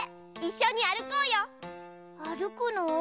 あるくの？